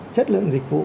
chất lượng dịch vụ